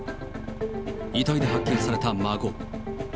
遺体で発見された孫。